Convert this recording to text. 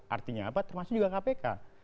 artinya apa termasuk juga kpk